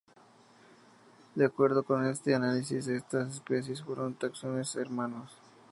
De acuerdo con este análisis, estas especies fueron taxones hermanos.